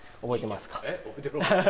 覚えてるわ。